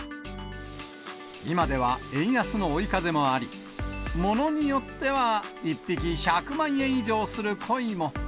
今では円安の追い風もあり、ものによっては１匹１００万円以上するコイも。